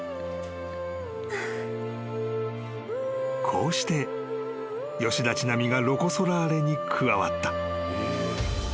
［こうして吉田知那美がロコ・ソラーレに加わった］